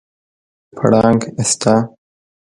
پړانګ سته؟